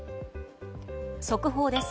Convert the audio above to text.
速報です。